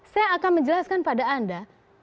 saya akan menjelaskan pada anda